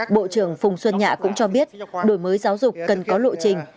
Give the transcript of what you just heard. bộ trưởng phùng xuân nhạ cũng cho biết đổi mới giáo dục cần có lộ trình